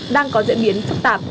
đang có diễn biến phức tạp